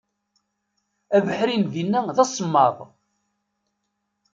Abeḥri n dinna d asemmaḍ.